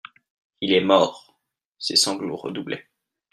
Il est mort ! Ses sanglots redoublaient.